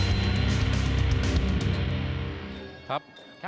จริงนี่แบบในที่๒